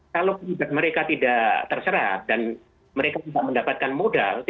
kalau kemudian mereka tidak terserap dan mereka tidak mendapatkan modal